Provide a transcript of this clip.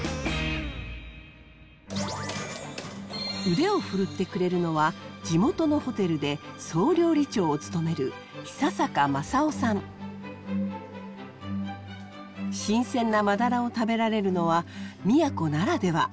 腕を振るってくれるのは地元のホテルで総料理長を務める新鮮なマダラを食べられるのは宮古ならでは。